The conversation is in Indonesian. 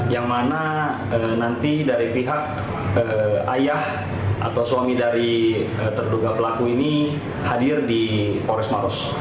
yang mana nanti dari pihak ayah atau suami dari terduga pelaku ini hadir di pores maros